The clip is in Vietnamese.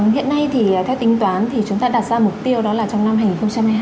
hiện nay thì theo tính toán thì chúng ta đặt ra mục tiêu đó là trong năm hai nghìn hai mươi hai